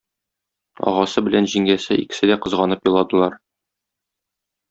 Агасы белән җиңгәсе икесе дә кызганып еладылар.